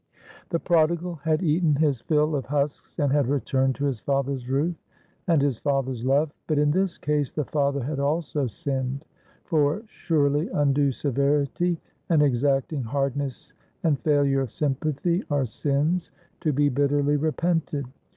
The Prodigal had eaten his fill of husks and had returned to his father's roof and his father's love. But in this case the father had also sinned, for surely undue severity and exacting hardness and failure of sympathy are sins to be bitterly repented.